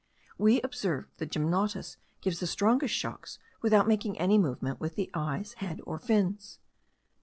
We observed that the gymnotus gives the strongest shocks without making any movement with the eyes, head, or fins.